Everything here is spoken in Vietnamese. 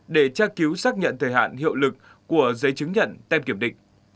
để tra cứu xác nhận thời hạn hiệu lực của giấy chứng nhận tem kiểm định